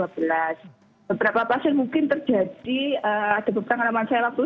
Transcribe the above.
beberapa pasien mungkin terjadi ada beberapa alaman sarap itu